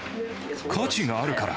価値があるから。